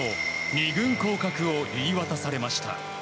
２軍降格を言い渡されました。